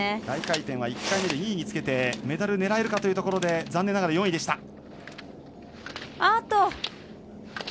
大回転は１回目で２位につけてメダル狙えるかというところで残念ながら４位でした。